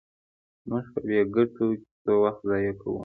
موږ په بې ګټې کیسو وخت ضایع کوو.